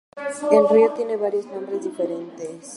El río tiene varios nombres diferentes.